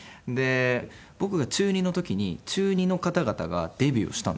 僕が中２の時に中２の方々がデビューしたんですよ。